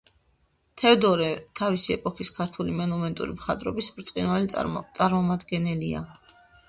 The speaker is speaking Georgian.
თევდორე თავისი ეპოქის ქართული მონუმენტური მხატვრობის ბრწყინვალე წარმომადგენელია.